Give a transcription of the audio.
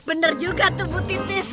bener juga tuh bu titius